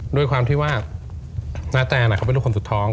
ด้วยความที่ว่าณแตนเขาเป็นทุกคนสุดท้อง